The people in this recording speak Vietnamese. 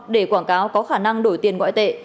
để quảng cáo có khả năng đổi tiền ngoại tệ